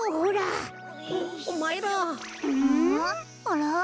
あら？